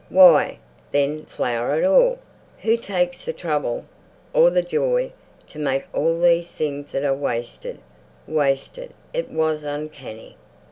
Why, then, flower at all? Who takes the trouble—or the joy—to make all these things that are wasted, wasted.... It was uncanny.